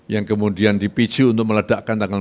yang kemudian dipicu untuk meledakkan tanggal empat belas